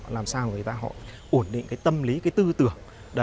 làm sao người ta ổn định tâm lý tư tưởng